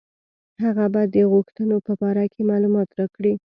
هغه به د غوښتنو په باره کې معلومات راکړي.